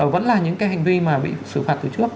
vẫn là những cái hành vi mà bị xử phạt từ trước